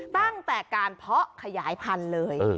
ตั้งแต่การเพาะขยายพันธุ์เลย